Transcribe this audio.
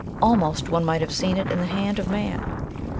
Almost, one might have seen in it the hand of man.